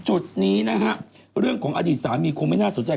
จุดนี้นะฮะเรื่องของอดีตสามีคงไม่น่าสนใจ